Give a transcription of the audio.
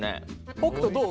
北斗どう？